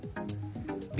Ｂ